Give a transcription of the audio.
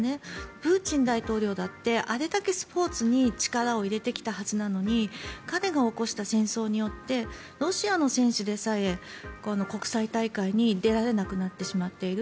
プーチン大統領だってあれだけスポーツに力を入れてきたはずなのに彼が起こした戦争によってロシアの選手でさえ国際大会に出られなくなってしまっている。